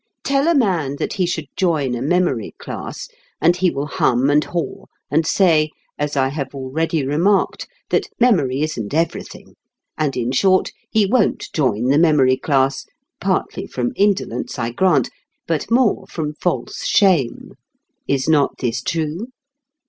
Tell a man that he should join a memory class, and he will hum and haw, and say, as I have already remarked, that memory isn't everything; and, in short, he won't join the memory class, partly from indolence, I grant, but more from false shame. (Is not this true?)